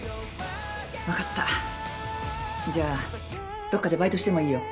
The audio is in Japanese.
わかったじゃあどっかでバイトしてもいいよ。